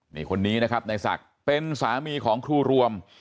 นี่คนนี้นะครับในศักดิ์เป็นสามีของครูรวม